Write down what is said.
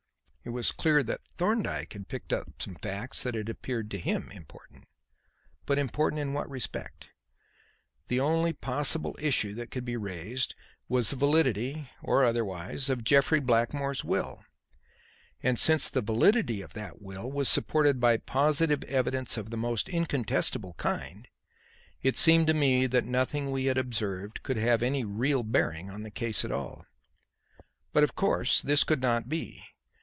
It was clear that Thorndyke had picked up some facts that had appeared to him important. But important in what respect? The only possible issue that could be raised was the validity or otherwise of Jeffrey Blackmore's will; and since the validity of that will was supported by positive evidence of the most incontestable kind, it seemed that nothing that we had observed could have any real bearing on the case at all. But this, of course, could not be.